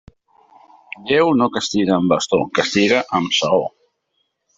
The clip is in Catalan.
Déu no castiga amb bastó, castiga amb saó.